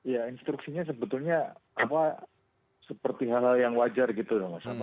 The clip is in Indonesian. ya instruksinya sebetulnya seperti hal hal yang wajar gitu mas